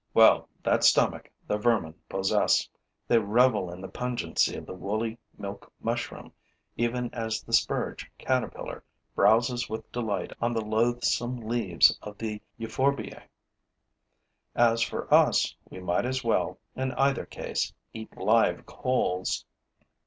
Well, that stomach the vermin possess: they revel in the pungency of the woolly milk mushroom even as the spurge caterpillar browses with delight on the loathsome leaves of the euphorbiae. As for us, we might as well, in either case, eat live coals.